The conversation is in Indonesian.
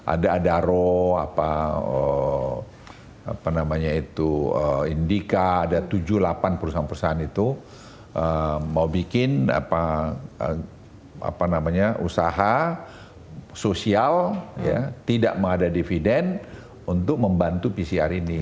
ada adaro apa apa namanya itu indica ada tujuh delapan perusahaan perusahaan itu mau bikin apa apa namanya usaha sosial ya tidak mengada dividen untuk membantu pcr ini